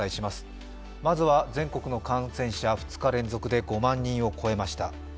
まずは全国の感染者２日連続で５万人を超えました。